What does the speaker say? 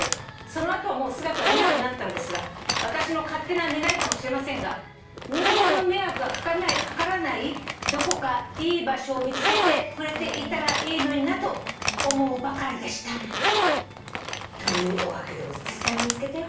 「その後はもう姿を見なくなったのですが私の勝手な願いかもしれませんが人間の迷惑がかからないどこかいい場所を見つけてくれていたらいいのになと思うばかりでした」というおはがきでございます。